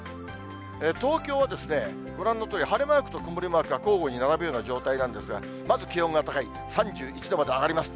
東京はご覧のとおり、晴れマークと曇りマークが交互に並ぶような状態なんですが、まず気温が高い、３１度まで上がります。